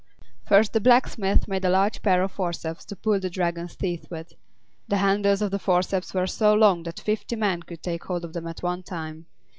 First the blacksmith made a large pair of forceps, to pull the Dragon's teeth with. The handles of the forceps were so long that fifty men could take hold of them at one time.